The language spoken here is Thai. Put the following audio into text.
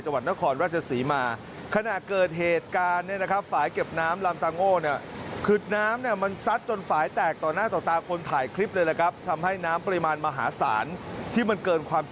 จังหวัดนครราชศรีมา